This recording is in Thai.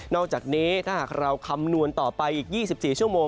อกจากนี้ถ้าหากเราคำนวณต่อไปอีก๒๔ชั่วโมง